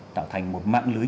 tạo thành một mạng lưới